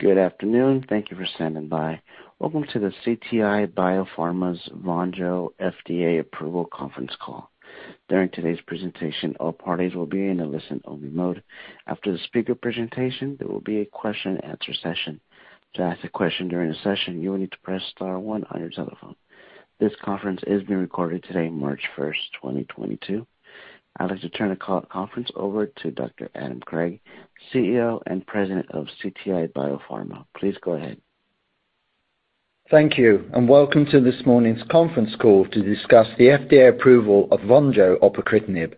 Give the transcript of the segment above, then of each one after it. Good afternoon. Thank you for standing by. Welcome to the CTI BioPharma's Vonjo FDA approval conference call. During today's presentation, all parties will be in a listen-only mode. After the speaker presentation, there will be a question-and-answer session. To ask a question during the session, you will need to press star one on your telephone. This conference is being recorded today, March 1st, 2022. I'd like to turn the conference over to Dr. Adam Craig, CEO and President of CTI BioPharma. Please go ahead. Thank you, and welcome to this morning's conference call to discuss the FDA approval of Vonjo pacritinib.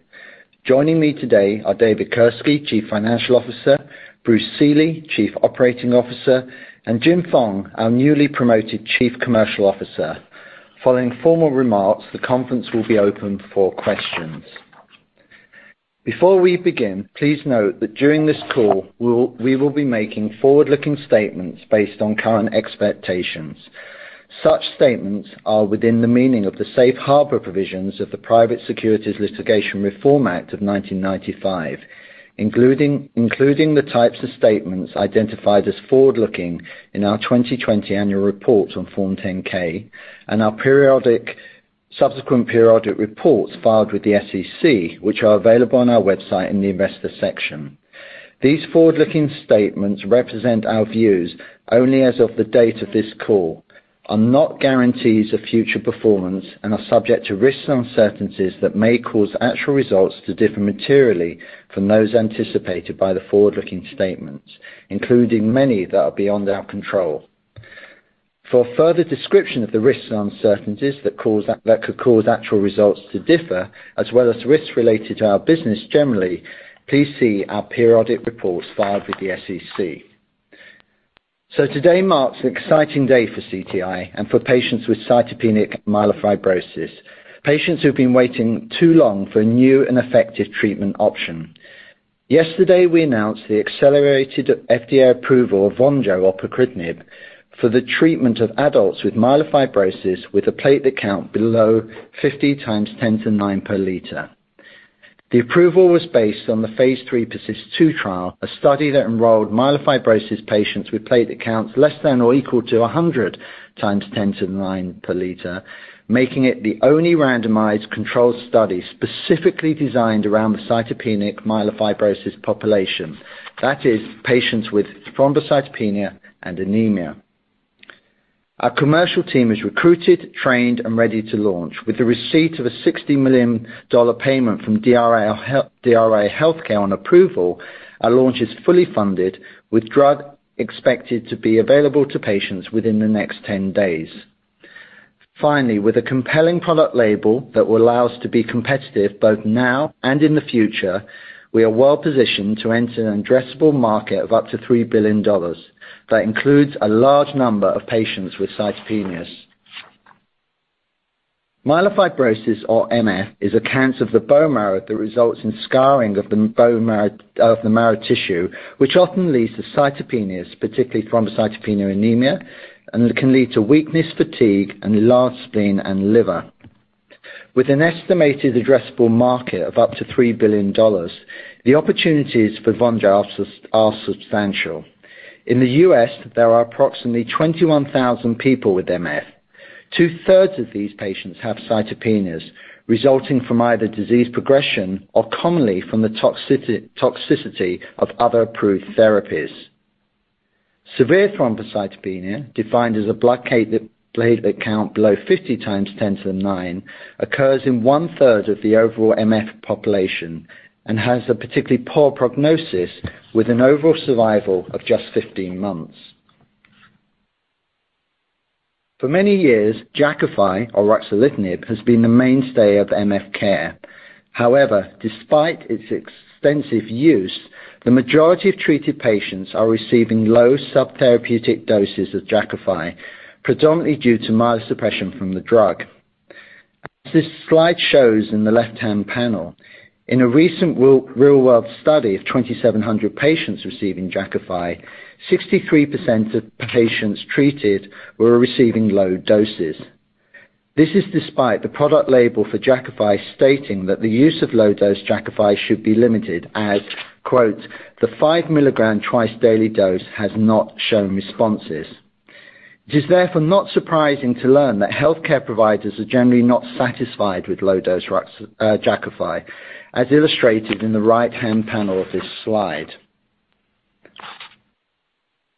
Joining me today are David Kirske, Chief Financial Officer, Bruce Seeley, Chief Operating Officer, and Jim Fong, our newly promoted Chief Commercial Officer. Following formal remarks, the conference will be open for questions. Before we begin, please note that during this call we will be making forward-looking statements based on current expectations. Such statements are within the meaning of the safe harbor provisions of the Private Securities Litigation Reform Act of 1995, including the types of statements identified as forward-looking in our 2020 annual report on Form 10-K and our subsequent periodic reports filed with the SEC, which are available on our website in the investors section. These forward-looking statements represent our views only as of the date of this call, are not guarantees of future performance, and are subject to risks and uncertainties that may cause actual results to differ materially from those anticipated by the forward-looking statements, including many that are beyond our control. For a further description of the risks and uncertainties that could cause actual results to differ, as well as risks related to our business generally, please see our periodic reports filed with the SEC. Today marks an exciting day for CTI and for patients with cytopenic myelofibrosis, patients who've been waiting too long for a new and effective treatment option. Yesterday, we announced the accelerated FDA approval of Vonjo pacritinib for the treatment of adults with myelofibrosis with a platelet count below 50 × 10^9 per liter. The approval was based on the phase III PERSIST-2 trial, a study that enrolled myelofibrosis patients with platelet counts less than or equal to 100 × 10^9 per liter, making it the only randomized controlled study specifically designed around the cytopenic myelofibrosis population, that is, patients with thrombocytopenia and anemia. Our commercial team is recruited, trained, and ready to launch. With the receipt of a $60 million payment from DRI Healthcare on approval, our launch is fully funded with drug expected to be available to patients within the next 10 days. Finally, with a compelling product label that will allow us to be competitive both now and in the future, we are well-positioned to enter an addressable market of up to $3 billion. That includes a large number of patients with cytopenias. Myelofibrosis or MF is a cancer of the bone marrow that results in scarring of the marrow tissue, which often leads to cytopenias, particularly thrombocytopenia, anemia, and can lead to weakness, fatigue, enlarged spleen, and liver. With an estimated addressable market of up to $3 billion, the opportunities for Vonjo are substantial. In the U.S., there are approximately 21,000 people with MF. Two-thirds of these patients have cytopenias resulting from either disease progression or commonly from the toxicity of other approved therapies. Severe thrombocytopenia, defined as a blood platelet count below 50 × 10^9, occurs in 1/3 of the overall MF population and has a particularly poor prognosis with an overall survival of just 15 months. For many years, Jakafi or ruxolitinib has been the mainstay of MF care. However, despite its extensive use, the majority of treated patients are receiving low subtherapeutic doses of Jakafi, predominantly due to myelosuppression from the drug. As this slide shows in the left-hand panel, in a recent real-world study of 2,700 patients receiving Jakafi, 63% of patients treated were receiving low doses. This is despite the product label for Jakafi stating that the use of low-dose Jakafi should be limited as, quote, "The 5 mg twice-daily dose has not shown responses." It is therefore not surprising to learn that healthcare providers are generally not satisfied with low-dose Jakafi, as illustrated in the right-hand panel of this slide.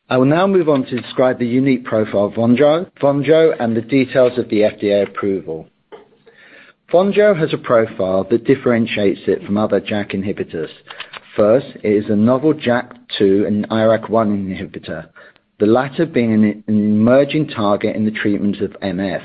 I will now move on to describe the unique profile of Vonjo and the details of the FDA approval. Vonjo has a profile that differentiates it from other JAK inhibitors. First, it is a novel JAK2 and IRAK1 inhibitor, the latter being an emerging target in the treatment of MF.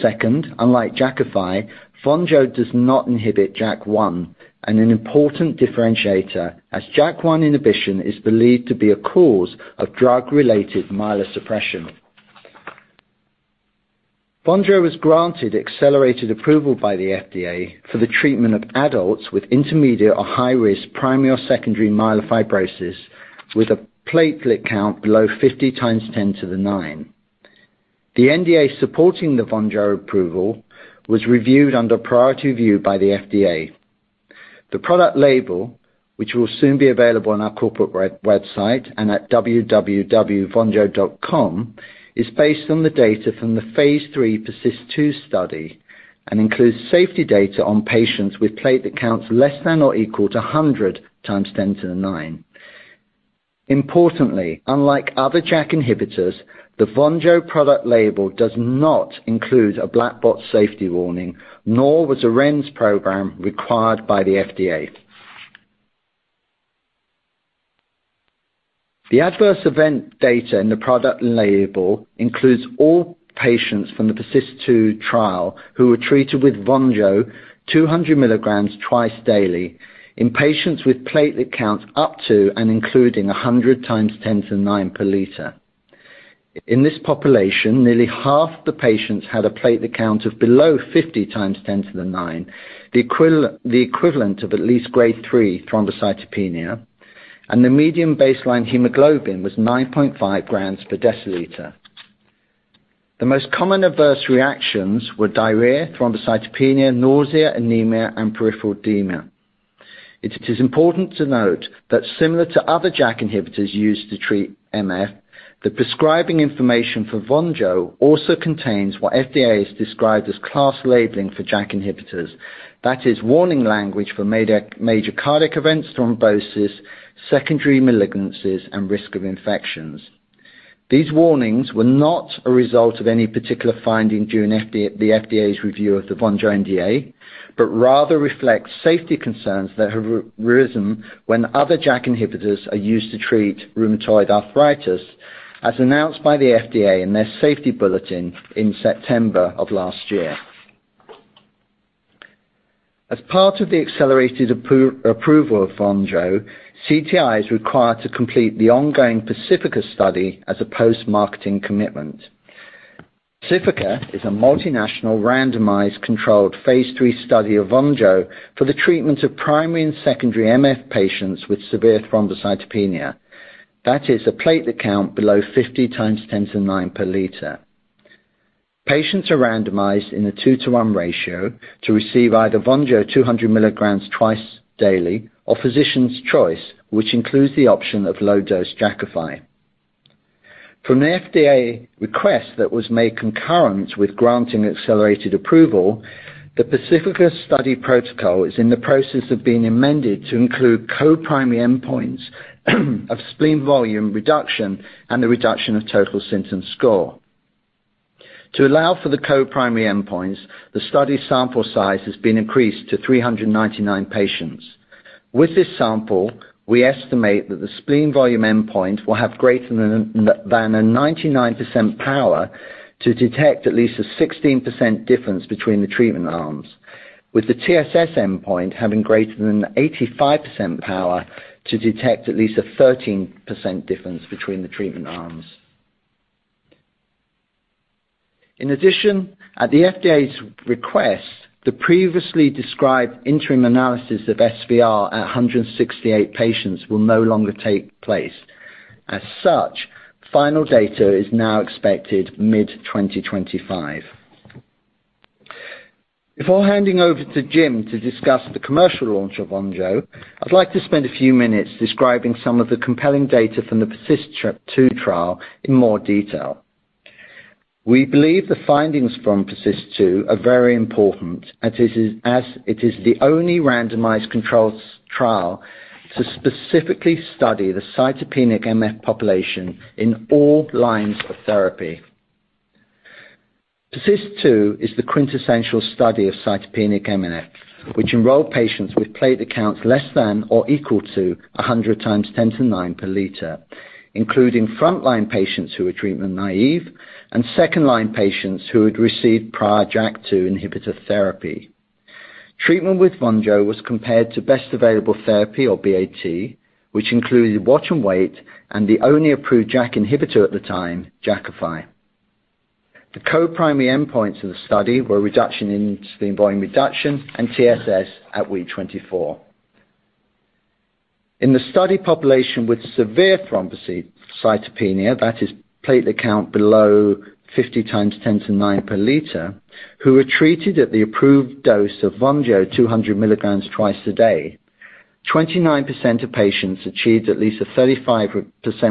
Second, unlike Jakafi, Vonjo does not inhibit JAK1, an important differentiator as JAK1 inhibition is believed to be a cause of drug-related myelosuppression. Vonjo was granted accelerated approval by the FDA for the treatment of adults with intermediate or high risk primary or secondary myelofibrosis with a platelet count below 50 × 10^9. The NDA supporting the Vonjo approval was reviewed under priority review by the FDA. The product label, which will soon be available on our corporate website and at www.vonjo.com, is based on the data from the phase III PERSIST-2 study and includes safety data on patients with platelet counts less than or equal to 100 × 10^9. Importantly, unlike other JAK inhibitors, the Vonjo product label does not include a black box safety warning, nor was a REMS program required by the FDA. The adverse event data in the product label includes all patients from the PERSIST-2 trial who were treated with Vonjo 200 mg twice daily in patients with platelet counts up to and including 100 × 10^9 per liter. In this population, nearly half the patients had a platelet count of below 50 × 10^9, the equivalent of at least Grade 3 thrombocytopenia, and the median baseline hemoglobin was 9.5 g/dL. The most common adverse reactions were diarrhea, thrombocytopenia, nausea, anemia, and peripheral edema. It is important to note that similar to other JAK inhibitors used to treat MF, the prescribing information for Vonjo also contains what FDA has described as class labeling for JAK inhibitors. That is, warning language for major cardiac events, thrombosis, secondary malignancies, and risk of infections. These warnings were not a result of any particular finding during the FDA's review of the Vonjo NDA, but rather reflect safety concerns that have arisen when other JAK inhibitors are used to treat rheumatoid arthritis, as announced by the FDA in their safety bulletin in September of last year. As part of the accelerated approval of Vonjo, CTI is required to complete the ongoing PACIFICA study as a post-marketing commitment. PACIFICA is a multinational randomized controlled phase III study of Vonjo for the treatment of primary and secondary MF patients with severe thrombocytopenia. That is a platelet count below 50 × 10^9 per liter. Patients are randomized in a 2:1 ratio to receive either Vonjo 200 mg twice daily or physician's choice, which includes the option of low-dose Jakafi. From the FDA request that was made concurrent with granting accelerated approval, the PACIFICA study protocol is in the process of being amended to include co-primary endpoints of spleen volume reduction and the reduction of total symptom score. To allow for the co-primary endpoints, the study sample size has been increased to 399 patients. With this sample, we estimate that the spleen volume endpoint will have greater than a 99% power to detect at least a 16% difference between the treatment arms. With the TSS endpoint having greater than 85% power to detect at least a 13% difference between the treatment arms. In addition, at the FDA's request, the previously described interim analysis of SVR at 168 patients will no longer take place. As such, final data is now expected mid-2025. Before handing over to Jim to discuss the commercial launch of Vonjo, I'd like to spend a few minutes describing some of the compelling data from the PERSIST-2 trial in more detail. We believe the findings from PERSIST-2 are very important, as it is the only randomized controlled trial to specifically study the cytopenic MF population in all lines of therapy. PERSIST-2 is the quintessential study of cytopenic MF, which enrolled patients with platelet counts less than or equal to 100 × 10^9 per liter, including frontline patients who were treatment naive and second-line patients who had received prior JAK2 inhibitor therapy. Treatment with Vonjo was compared to best available therapy or BAT, which included watch and wait, and the only approved JAK inhibitor at the time, Jakafi. The co-primary endpoints of the study were reduction in spleen volume and TSS at week 24. In the study population with severe thrombocytopenia, that is platelet count below 50 × 10^9 per liter, who were treated at the approved dose of Vonjo 200 mg twice a day, 29% of patients achieved at least a 35%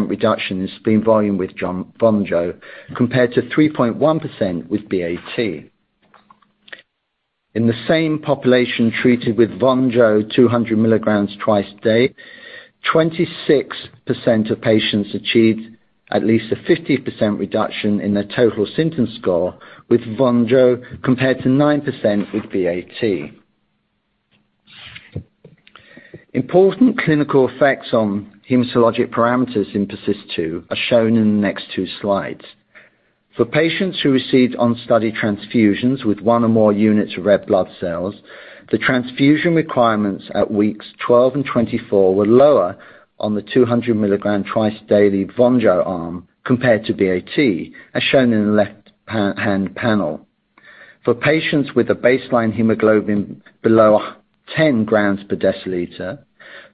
reduction in spleen volume with Vonjo, compared to 3.1% with BAT. In the same population treated with Vonjo 200 mg twice a day, 26% of patients achieved at least a 50% reduction in their total symptom score with Vonjo, compared to 9% with BAT. Important clinical effects on hematologic parameters in PERSIST-2 are shown in the next two slides. For patients who received on-study transfusions with one or more units of red blood cells, the transfusion requirements at weeks 12 and 24 were lower on the 200 mg twice-daily Vonjo arm compared to BAT, as shown in the left-hand panel. For patients with a baseline hemoglobin below 10 g/dL,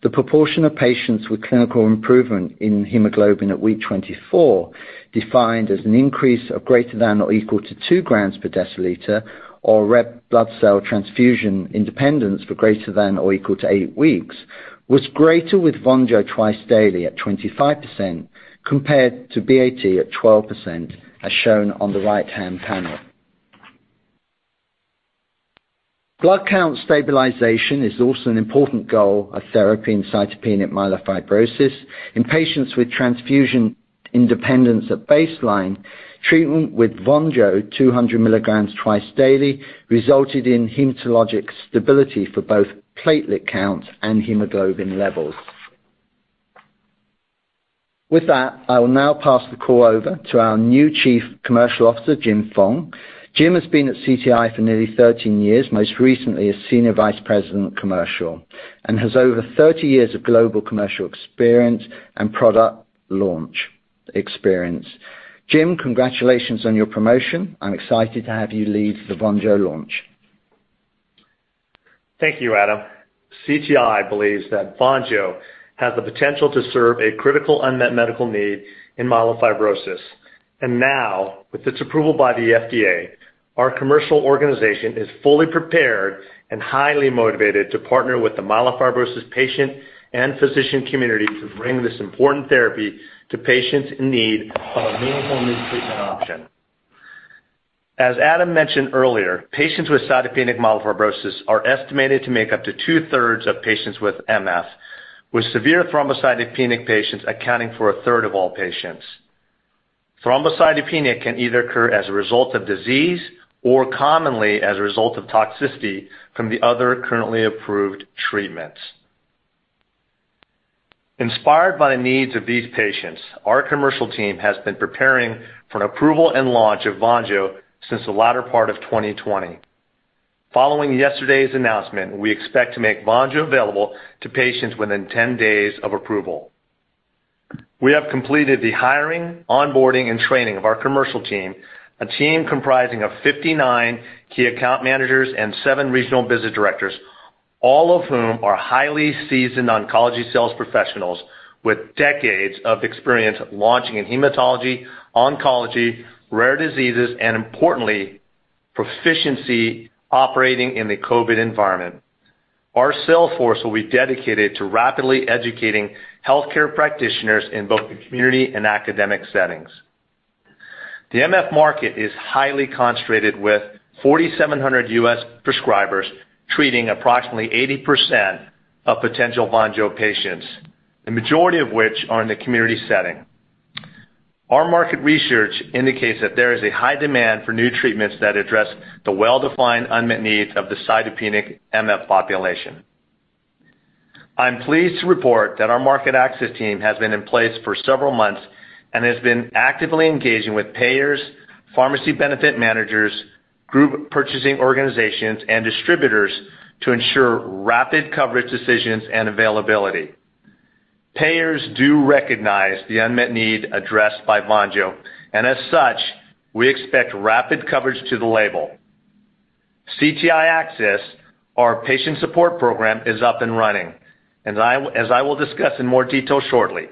the proportion of patients with clinical improvement in hemoglobin at week 24, defined as an increase of greater than or equal to 2 g/dL or red blood cell transfusion independence for greater than or equal to eight weeks, was greater with Vonjo twice daily at 25% compared to BAT at 12%, as shown on the right-hand panel. Blood count stabilization is also an important goal of therapy in cytopenic myelofibrosis. In patients with transfusion independence at baseline, treatment with Vonjo, 200 mg twice daily, resulted in hematologic stability for both platelet count and hemoglobin levels. With that, I will now pass the call over to our new Chief Commercial Officer, Jim Fong. Jim has been at CTI for nearly 13 years, most recently as Senior Vice President of Commercial, and has over 30 years of global commercial experience and product launch experience. Jim, congratulations on your promotion. I'm excited to have you lead the Vonjo launch. Thank you, Adam. CTI believes that Vonjo has the potential to serve a critical unmet medical need in myelofibrosis. Now, with its approval by the FDA, our commercial organization is fully prepared and highly motivated to partner with the myelofibrosis patient and physician community to bring this important therapy to patients in need of a meaningful new treatment option. As Adam mentioned earlier, patients with cytopenic myelofibrosis are estimated to make up to 2/3 of patients with MF, with severe thrombocytopenic patients accounting for a third of all patients. Thrombocytopenia can either occur as a result of disease or commonly as a result of toxicity from the other currently approved treatments. Inspired by the needs of these patients, our commercial team has been preparing for an approval and launch of Vonjo since the latter part of 2020. Following yesterday's announcement, we expect to make Vonjo available to patients within 10 days of approval. We have completed the hiring, onboarding, and training of our commercial team, a team comprising of 59 key account managers and seven regional business directors, all of whom are highly seasoned oncology sales professionals with decades of experience launching in hematology, oncology, rare diseases, and importantly, proficiency operating in the COVID environment. Our sales force will be dedicated to rapidly educating healthcare practitioners in both the community and academic settings. The MF market is highly concentrated with 4,700 U.S. prescribers treating approximately 80% of potential Vonjo patients, the majority of which are in the community setting. Our market research indicates that there is a high demand for new treatments that address the well-defined unmet needs of the cytopenic MF population. I'm pleased to report that our market access team has been in place for several months and has been actively engaging with payers, pharmacy benefit managers, group purchasing organizations, and distributors to ensure rapid coverage decisions and availability. Payers do recognize the unmet need addressed by Vonjo, and as such, we expect rapid coverage to the label. CTI Access, our patient support program, is up and running, and as I will discuss in more detail shortly.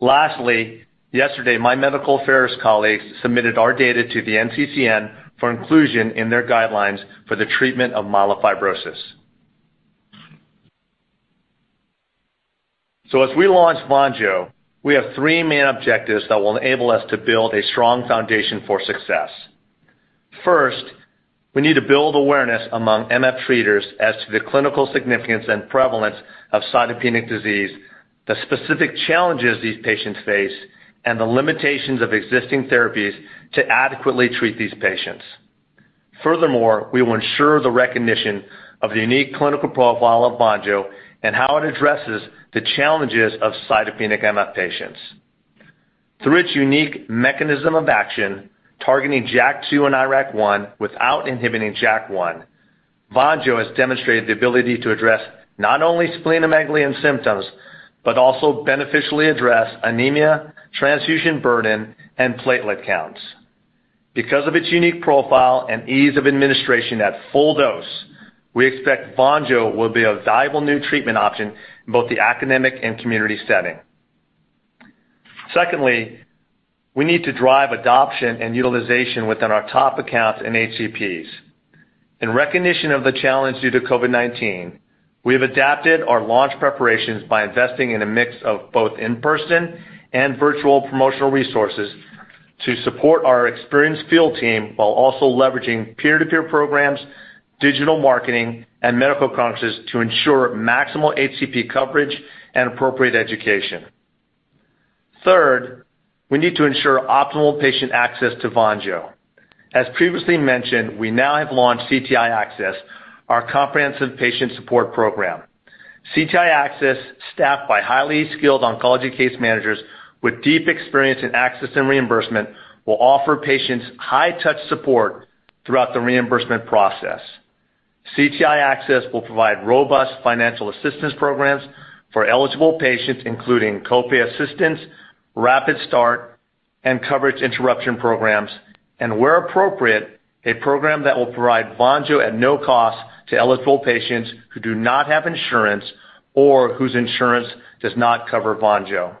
Lastly, yesterday, my medical affairs colleagues submitted our data to the NCCN for inclusion in their guidelines for the treatment of myelofibrosis. As we launch Vonjo, we have three main objectives that will enable us to build a strong foundation for success. First, we need to build awareness among MF treaters as to the clinical significance and prevalence of cytopenic disease, the specific challenges these patients face, and the limitations of existing therapies to adequately treat these patients. Furthermore, we will ensure the recognition of the unique clinical profile of Vonjo and how it addresses the challenges of cytopenic MF patients. Through its unique mechanism of action, targeting JAK2 and IRAK1 without inhibiting JAK1, Vonjo has demonstrated the ability to address not only splenomegaly and symptoms, but also beneficially address anemia, transfusion burden, and platelet counts. Because of its unique profile and ease of administration at full dose, we expect Vonjo will be a valuable new treatment option in both the academic and community setting. Secondly, we need to drive adoption and utilization within our top accounts and HCPs. In recognition of the challenge due to COVID-19, we have adapted our launch preparations by investing in a mix of both in-person and virtual promotional resources to support our experienced field team while also leveraging peer-to-peer programs, digital marketing, and medical conferences to ensure maximal HCP coverage and appropriate education. Third, we need to ensure optimal patient access to Vonjo. As previously mentioned, we now have launched CTI Access, our comprehensive patient support program. CTI Access, staffed by highly skilled oncology case managers with deep experience in access and reimbursement, will offer patients high-touch support throughout the reimbursement process. CTI Access will provide robust financial assistance programs for eligible patients, including copay assistance, rapid start, and coverage interruption programs, and where appropriate, a program that will provide Vonjo at no cost to eligible patients who do not have insurance or whose insurance does not cover Vonjo.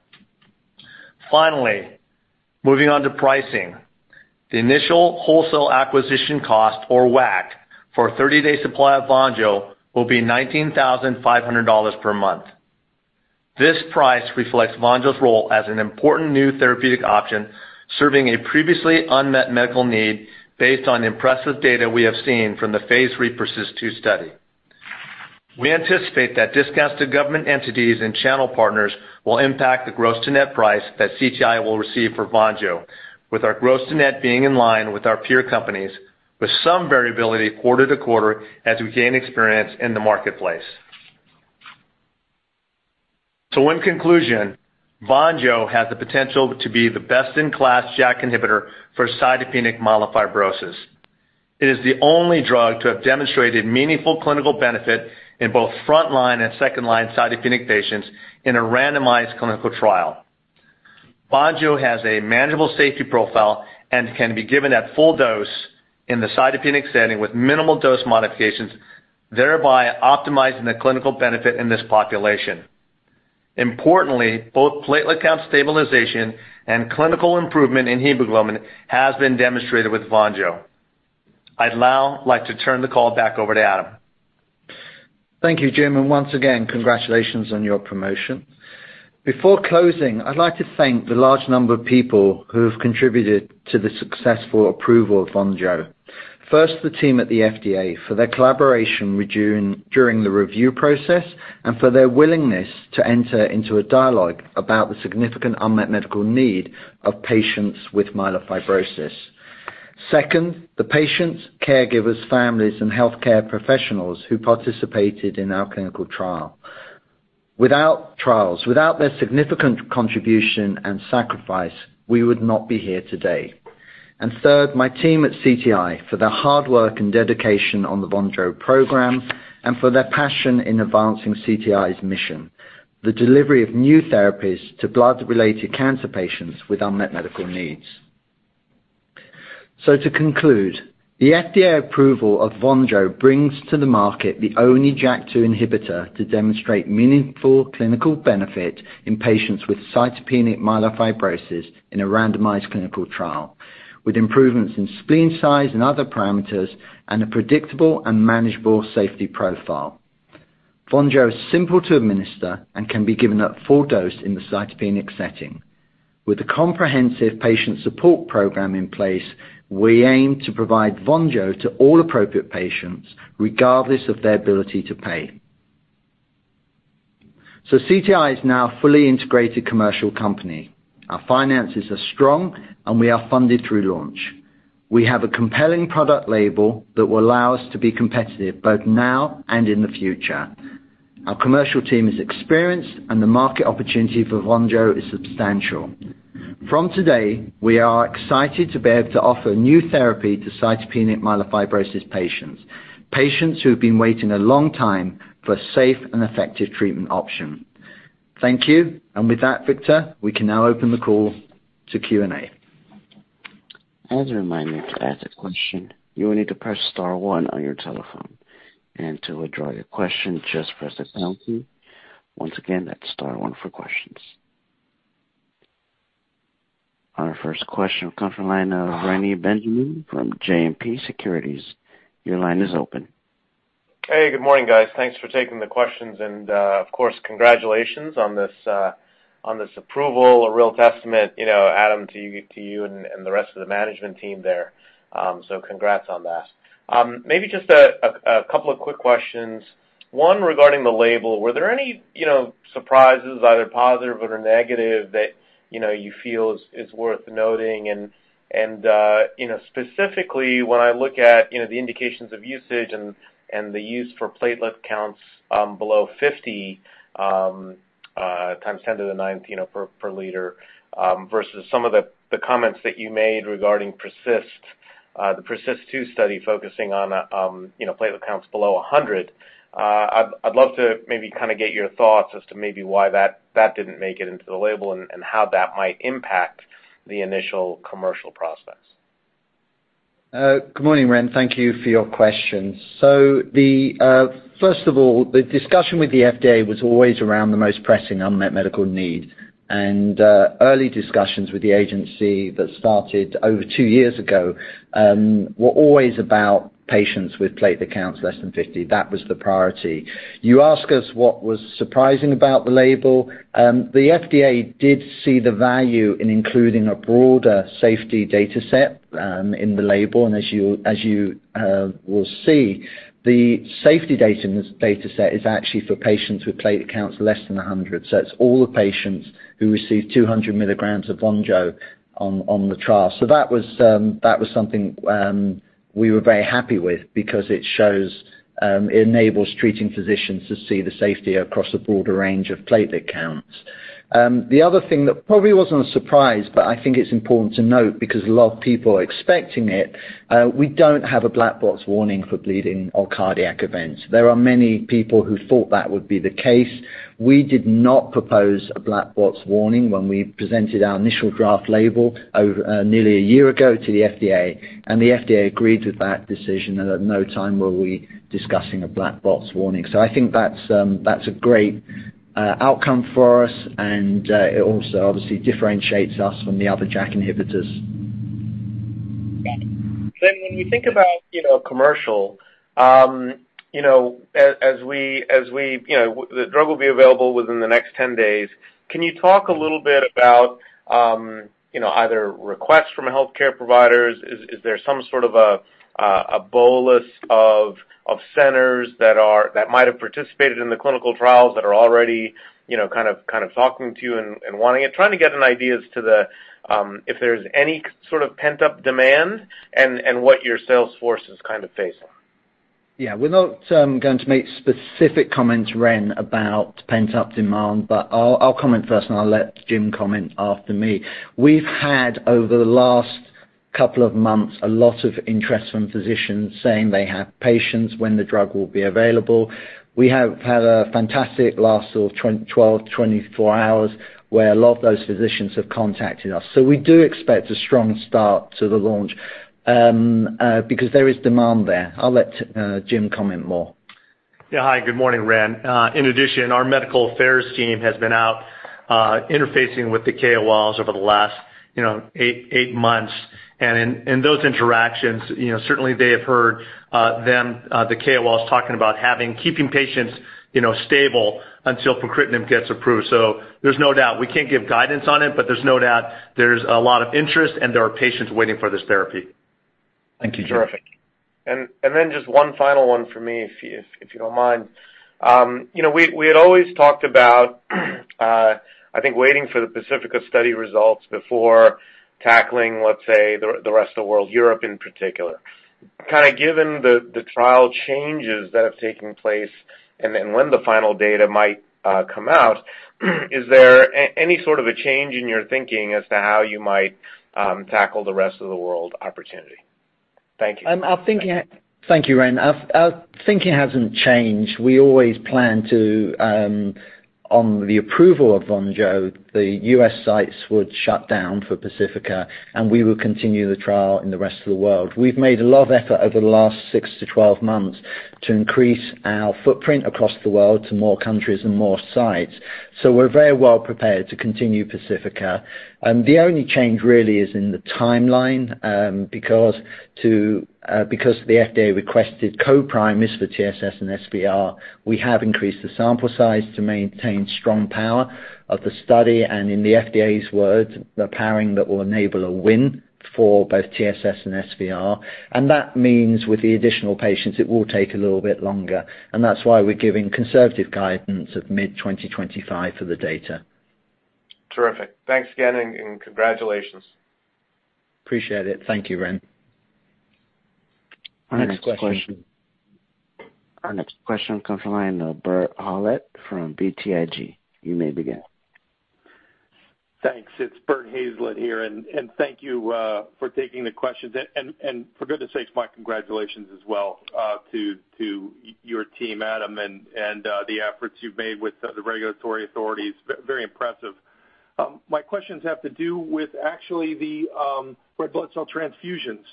Finally, moving on to pricing. The initial wholesale acquisition cost, or WAC, for a 30-day supply of Vonjo will be $19,500 per month. This price reflects Vonjo's role as an important new therapeutic option, serving a previously unmet medical need based on impressive data we have seen from the phase III PERSIST-2 study. We anticipate that discounts to government entities and channel partners will impact the gross to net price that CTI will receive for Vonjo, with our gross to net being in line with our peer companies, with some variability quarter-to-quarter as we gain experience in the marketplace. In conclusion, Vonjo has the potential to be the best-in-class JAK inhibitor for cytopenic myelofibrosis. It is the only drug to have demonstrated meaningful clinical benefit in both front-line and second-line cytopenic patients in a randomized clinical trial. Vonjo has a manageable safety profile and can be given at full dose in the cytopenic setting with minimal dose modifications, thereby optimizing the clinical benefit in this population. Importantly, both platelet count stabilization and clinical improvement in hemoglobin has been demonstrated with Vonjo. I'd now like to turn the call back over to Adam. Thank you, Jim, and once again, congratulations on your promotion. Before closing, I'd like to thank the large number of people who have contributed to the successful approval of Vonjo. First, the team at the FDA for their collaboration during the review process and for their willingness to enter into a dialogue about the significant unmet medical need of patients with myelofibrosis. Second, the patients, caregivers, families, and healthcare professionals who participated in our clinical trial. Without their significant contribution and sacrifice, we would not be here today. Third, my team at CTI for their hard work and dedication on the Vonjo program and for their passion in advancing CTI's mission, the delivery of new therapies to blood-related cancer patients with unmet medical needs. To conclude, the FDA approval of Vonjo brings to the market the only JAK2 inhibitor to demonstrate meaningful clinical benefit in patients with cytopenic myelofibrosis in a randomized clinical trial, with improvements in spleen size and other parameters and a predictable and manageable safety profile. Vonjo is simple to administer and can be given at full dose in the cytopenic setting. With a comprehensive patient support program in place, we aim to provide Vonjo to all appropriate patients, regardless of their ability to pay. CTI is now a fully integrated commercial company. Our finances are strong, and we are funded through launch. We have a compelling product label that will allow us to be competitive both now and in the future. Our commercial team is experienced, and the market opportunity for Vonjo is substantial. From today, we are excited to be able to offer new therapy to cytopenic myelofibrosis patients who've been waiting a long time for safe and effective treatment option. Thank you. With that, Victor, we can now open the call to Q&A. As a reminder, to ask a question, you will need to press star one on your telephone. To withdraw your question, just press the pound key. Once again, that's star one for questions. Our first question will come from the line of Reni Benjamin from JMP Securities. Your line is open. Hey, good morning, guys. Thanks for taking the questions. Of course, congratulations on this approval. A real testament, you know, Adam, to you and the rest of the management team there. Congrats on that. Maybe just a couple of quick questions. One regarding the label, were there any, you know, surprises, either positive or negative that, you know, you feel is worth noting? You know, specifically, when I look at, you know, the indications of usage and the use for platelet counts below 50 × 10^9 per liter versus some of the comments that you made regarding the PERSIST-2 study focusing on, you know, platelet counts below 100. I'd love to maybe kinda get your thoughts as to maybe why that didn't make it into the label and how that might impact the initial commercial process. Good morning, Ren. Thank you for your questions. First of all, the discussion with the FDA was always around the most pressing unmet medical need. Early discussions with the agency that started over two years ago were always about patients with platelet counts less than 50. That was the priority. You ask us what was surprising about the label. The FDA did see the value in including a broader safety data set in the label. As you will see, the safety data in this data set is actually for patients with platelet counts less than 100. It's all the patients who received 200 mg of Vonjo on the trial. That was something we were very happy with because it shows it enables treating physicians to see the safety across a broader range of platelet counts. The other thing that probably wasn't a surprise, but I think it's important to note because a lot of people are expecting it, we don't have a black box warning for bleeding or cardiac events. There are many people who thought that would be the case. We did not propose a black box warning when we presented our initial draft label over nearly a year ago to the FDA, and the FDA agreed with that decision, and at no time were we discussing a black box warning. I think that's a great outcome for us, and it also obviously differentiates us from the other JAK inhibitors. Got it. When you think about, you know, commercial, you know, as we, you know, the drug will be available within the next 10 days. Can you talk a little bit about, you know, either requests from healthcare providers? Is there some sort of a bolus of centers that might have participated in the clinical trials that are already, you know, kind of talking to you and wanting it? Trying to get an idea as to the, if there's any sort of pent-up demand and what your sales force is kind of facing. Yeah. We're not going to make specific comments, Ren, about pent-up demand, but I'll comment first, and I'll let Jim comment after me. We've had, over the last couple of months, a lot of interest from physicians saying they have patients when the drug will be available. We have had a fantastic last sort of 12, 24 hours where a lot of those physicians have contacted us. We do expect a strong start to the launch because there is demand there. I'll let Jim comment more. Yeah. Hi, good morning, Ren. In addition, our medical affairs team has been out, interfacing with the KOLs over the last, you know, 8 months. In those interactions, you know, certainly they have heard the KOLs talking about keeping patients, you know, stable until pacritinib gets approved. There's no doubt. We can't give guidance on it, but there's no doubt there's a lot of interest and there are patients waiting for this therapy. Thank you, Jim. Terrific. Then just one final one for me if you don't mind. You know, we had always talked about, I think waiting for the PACIFICA study results before tackling, let's say, the rest of the world, Europe in particular. Kinda given the trial changes that have taken place and then when the final data might come out, is there any sort of a change in your thinking as to how you might tackle the rest of the world opportunity? Thank you. Thank you, Renny. Our thinking hasn't changed. We always plan to, on the approval of Vonjo, the U.S. sites would shut down for PACIFICA, and we will continue the trial in the rest of the world. We've made a lot of effort over the last six to 12 months to increase our footprint across the world to more countries and more sites. We're very well prepared to continue PACIFICA. The only change really is in the timeline, because the FDA requested co-primaries for TSS and SVR. We have increased the sample size to maintain strong power of the study, and in the FDA's words, "The powering that will enable a win for both TSS and SVR." That means with the additional patients, it will take a little bit longer, and that's why we're giving conservative guidance of mid-2025 for the data. Terrific. Thanks again and congratulations. appreciate it. Thank you, Ren. Next question. Our next question comes from the line of Bert Hazlett from BTIG. You may begin. Thanks. It's Bert Hazlett here, and thank you for taking the questions. For goodness sakes, my congratulations as well to your team, Adam, and the efforts you've made with the regulatory authorities. Very impressive. My questions have to do with actually the red blood cell transfusions.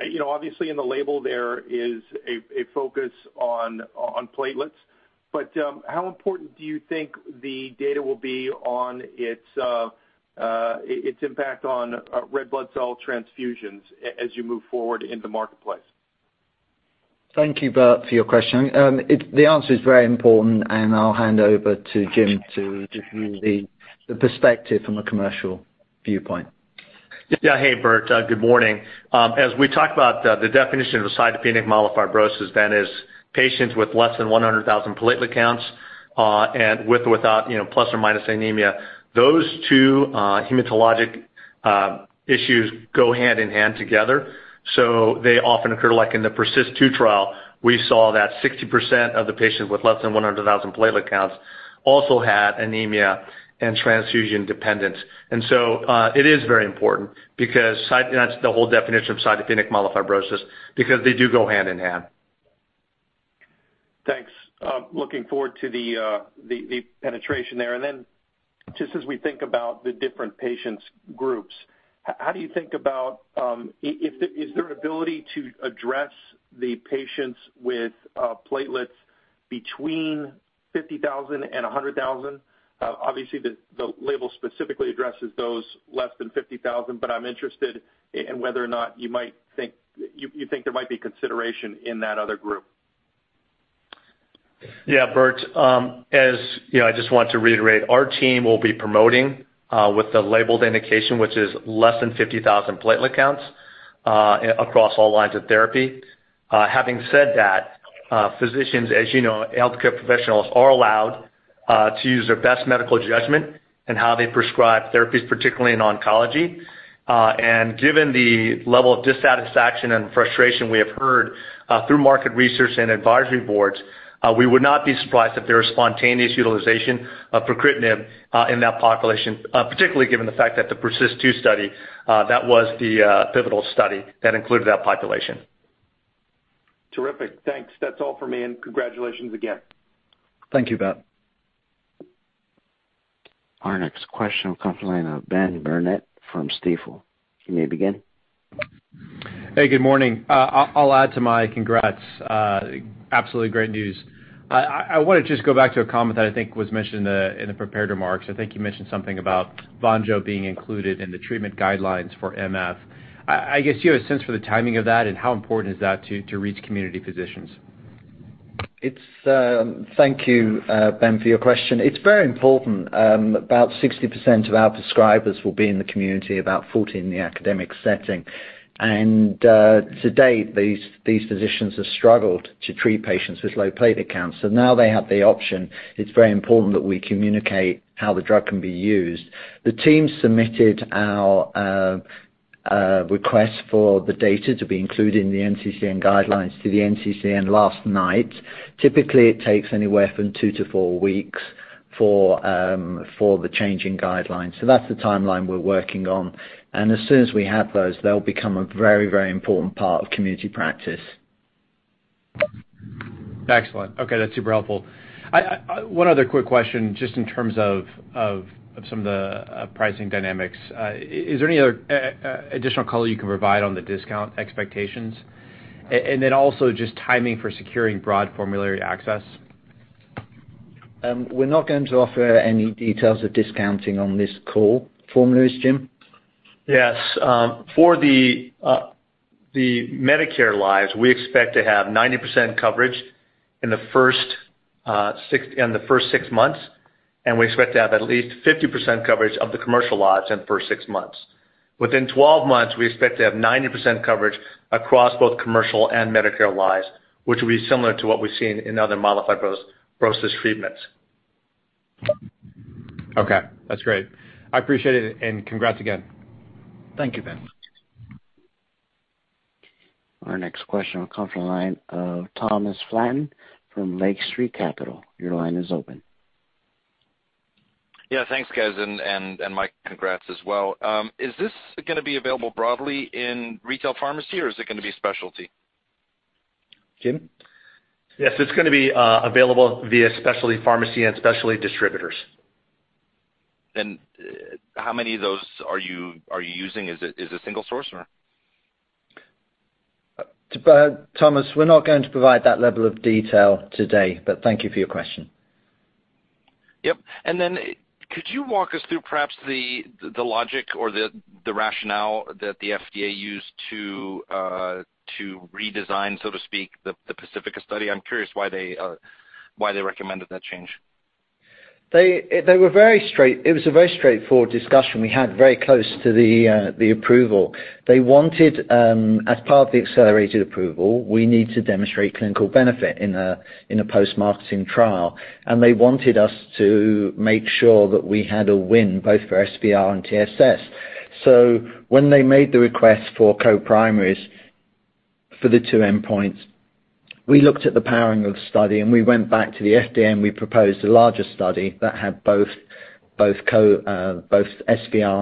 You know, obviously in the label there is a focus on platelets, but how important do you think the data will be on its impact on red blood cell transfusions as you move forward in the marketplace? Thank you, Bert, for your question. The answer is very important, and I'll hand over to Jim to give you the perspective from a commercial viewpoint. Yeah. Hey, Bert. Good morning. As we talk about the definition of cytopenic myelofibrosis, Ben, is patients with less than 100,000 platelet counts, and with or without, you know, plus or minus anemia. Those two hematologic issues go hand in hand together, so they often occur, like in the PERSIST-2 trial, we saw that 60% of the patients with less than 100,000 platelet counts also had anemia and transfusion dependence. It is very important because, and that's the whole definition of cytopenic myelofibrosis, because they do go hand in hand. Thanks. Looking forward to the penetration there. Then just as we think about the different patient groups, how do you think about, is there ability to address the patients with platelets between 50,000 and 100,000? Obviously the label specifically addresses those less than 50,000, but I'm interested in whether or not you might think you think there might be consideration in that other group. Yeah, Bert. As you know, I just want to reiterate, our team will be promoting with the labeled indication, which is less than 50,000 platelet counts across all lines of therapy. Having said that, physicians, as you know, healthcare professionals are allowed to use their best medical judgment in how they prescribe therapies, particularly in oncology. Given the level of dissatisfaction and frustration we have heard through market research and advisory boards, we would not be surprised if there is spontaneous utilization of pacritinib in that population, particularly given the fact that the PERSIST-2 study that was the pivotal study that included that population. Terrific. Thanks. That's all for me, and congratulations again. Thank you, Bert. Our next question will come from the line of Ben Burnett from Stifel. You may begin. Hey, good morning. I'll add to my congrats. Absolutely great news. I wanna just go back to a comment that I think was mentioned in the prepared remarks. I think you mentioned something about Vonjo being included in the treatment guidelines for MF. I guess you have a sense for the timing of that, and how important is that to reach community physicians? Thank you, Ben, for your question. It's very important. About 60% of our prescribers will be in the community, about 40% in the academic setting. To date, these physicians have struggled to treat patients with low platelet counts. Now they have the option, it's very important that we communicate how the drug can be used. The team submitted our request for the data to be included in the NCCN guidelines to the NCCN last night. Typically, it takes anywhere from two to four weeks for the change in guidelines. That's the timeline we're working on. As soon as we have those, they'll become a very, very important part of community practice. Excellent. Okay, that's super helpful. One other quick question, just in terms of some of the pricing dynamics. Is there any other additional color you can provide on the discount expectations? And then also just timing for securing broad formulary access. We're not going to offer any details of discounting on this call. Formularies, Jim? Yes. For the Medicare lives, we expect to have 90% coverage in the first six months, and we expect to have at least 50% coverage of the commercial lives in the first six months. Within 12 months, we expect to have 90% coverage across both commercial and Medicare lives, which will be similar to what we've seen in other myelofibrosis treatments. Okay. That's great. I appreciate it, and congrats again. Thank you, Ben. Our next question will come from the line of Thomas Flaten from Lake Street Capital. Your line is open. Yeah, thanks, guys, and Mike, congrats as well. Is this gonna be available broadly in retail pharmacy, or is it gonna be specialty? Jim? Yes, it's gonna be available via specialty pharmacy and specialty distributors. How many of those are you using? Is it single source or? Thomas, we're not going to provide that level of detail today, but thank you for your question. Yep. Could you walk us through perhaps the logic or the rationale that the FDA used to redesign, so to speak, the PACIFICA study? I'm curious why they recommended that change. It was a very straightforward discussion we had very close to the approval. They wanted, as part of the accelerated approval, we need to demonstrate clinical benefit in a post-marketing trial, and they wanted us to make sure that we had a win both for SVR and TSS. When they made the request for co-primaries for the two endpoints, we looked at the powering of the study, and we went back to the FDA, and we proposed a larger study that had both SVR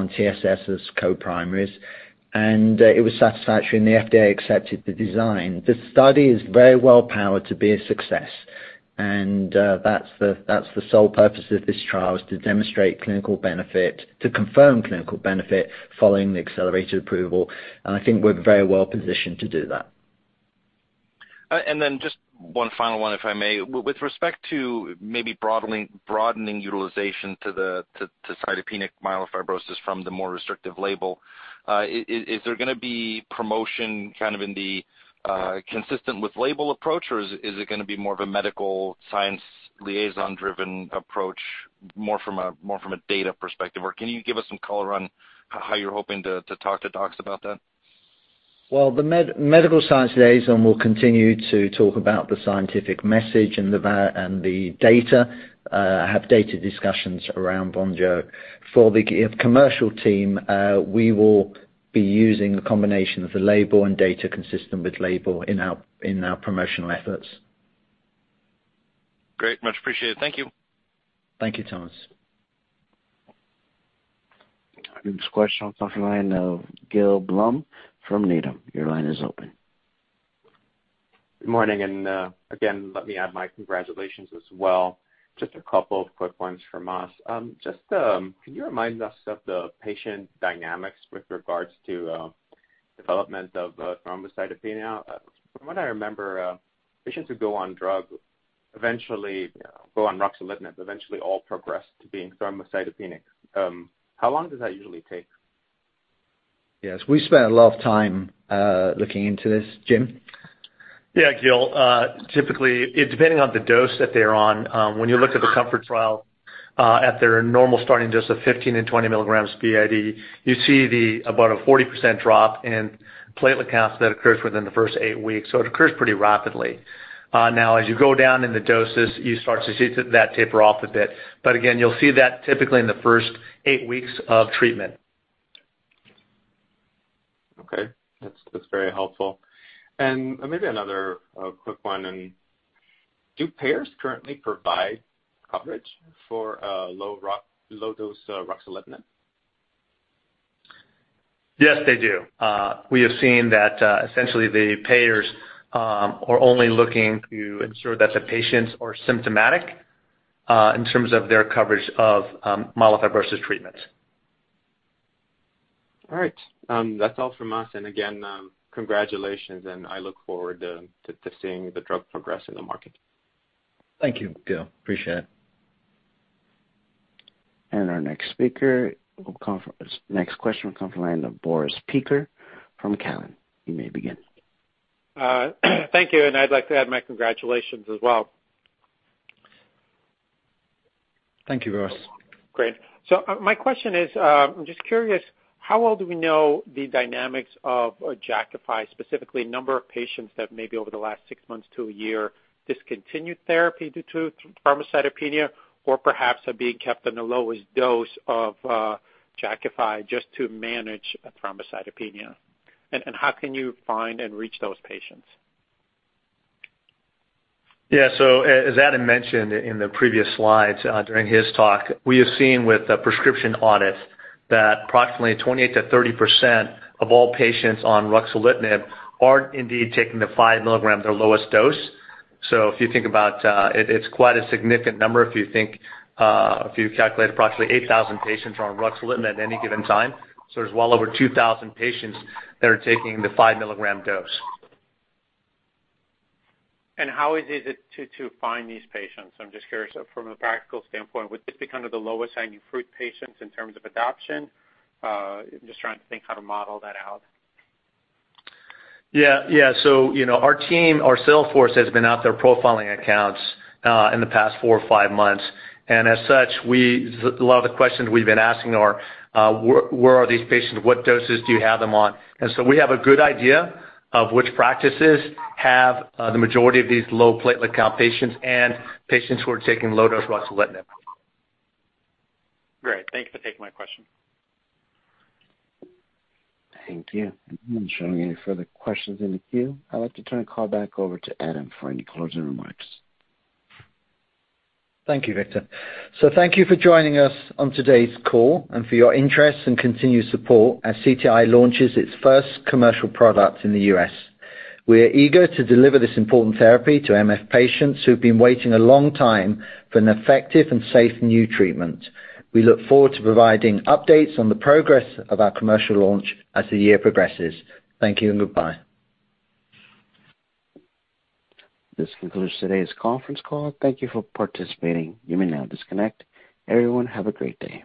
and TSS as co-primaries. It was satisfactory, and the FDA accepted the design. The study is very well powered to be a success, and that's the sole purpose of this trial is to demonstrate clinical benefit, to confirm clinical benefit following the accelerated approval. I think we're very well positioned to do that. Just one final one, if I may. With respect to maybe broadly broadening utilization to the cytopenic myelofibrosis from the more restrictive label, is there gonna be promotion kind of in the consistent with label approach, or is it gonna be more of a medical science liaison-driven approach, more from a data perspective? Or can you give us some color on how you're hoping to talk to docs about that? Well, the medical science liaison will continue to talk about the scientific message and the data, have data discussions around Vonjo. For the commercial team, we will be using a combination of the label and data consistent with label in our promotional efforts. Great. Much appreciated. Thank you. Thank you, Thomas. Our next question comes from the line of Gil Blum from Needham. Your line is open. Good morning. Again, let me add my congratulations as well. Just a couple of quick ones from us. Can you remind us of the patient dynamics with regards to development of thrombocytopenia? From what I remember, patients who go on drug eventually, you know, go on ruxolitinib, eventually all progress to being thrombocytopenic. How long does that usually take? Yes. We spent a lot of time looking into this. Jim? Yeah, Gil. Typically, it depends on the dose that they're on, when you look at the COMFORT trial, at their normal starting dose of 15 and 20 mg BID, you see about a 40% drop in platelet count that occurs within the first 8 weeks. It occurs pretty rapidly. Now as you go down in the doses, you start to see that taper off a bit. Again, you'll see that typically in the first eight weeks of treatment. Okay. That's very helpful. Maybe another quick one. Do payers currently provide coverage for low-dose ruxolitinib? Yes, they do. We have seen that essentially the payers are only looking to ensure that the patients are symptomatic in terms of their coverage of myelofibrosis treatments. All right. That's all from us. Again, congratulations, and I look forward to seeing the drug progress in the market. Thank you, Gil. I appreciate it. Next question will come from the line of Boris Peaker from Cowen. You may begin. Thank you, and I'd like to add my congratulations as well. Thank you, Boris. Great. My question is, I'm just curious, how well do we know the dynamics of Jakafi, specifically number of patients that maybe over the last six months to a year discontinued therapy due to thrombocytopenia or perhaps are being kept on the lowest dose of Jakafi just to manage a thrombocytopenia? And how can you find and reach those patients? Yeah. As Adam mentioned in the previous slides, during his talk, we have seen with the prescription audit that approximately 28%-30% of all patients on ruxolitinib are indeed taking the 5 mg, their lowest dose. If you think about it's quite a significant number if you calculate approximately 8,000 patients are on ruxolitinib at any given time, so there's well over 2,000 patients that are taking the 5 mg dose. How easy is it to find these patients? I'm just curious from a practical standpoint. Would this be kind of the lowest hanging fruit patients in terms of adoption? I'm just trying to think how to model that out. Yeah. Yeah. You know, our team, our sales force, has been out there profiling accounts in the past 4 or 5 months, and as such, a lot of the questions we've been asking are where are these patients? What doses do you have them on? We have a good idea of which practices have the majority of these low platelet count patients and patients who are taking low dose ruxolitinib. Great. Thank you for taking my question. Thank you. I'm not showing any further questions in the queue. I'd like to turn the call back over to Adam for any closing remarks. Thank you, Victor. Thank you for joining us on today's call and for your interest and continued support as CTI launches its first commercial product in the U.S. We are eager to deliver this important therapy to MF patients who've been waiting a long time for an effective and safe new treatment. We look forward to providing updates on the progress of our commercial launch as the year progresses. Thank you and goodbye. This concludes today's conference call. Thank you for participating. You may now disconnect. Everyone, have a great day.